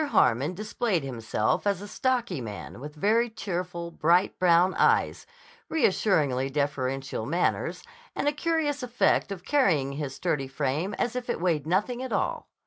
Harmon displayed himself as a stocky man with very cheerful, bright brown eyes, reassuringly deferential manners, and a curious effect of carrying his sturdy frame as if it weighed nothing at all.